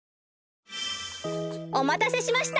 おまたせしました！